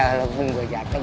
walaupun gue jatuh